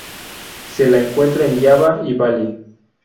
Se la encuentra en Java y Bali.